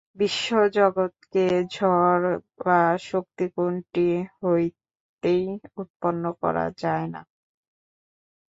বিশ্বজগৎকে জড় বা শক্তি কোনটি হইতেই উৎপন্ন করা যায় না।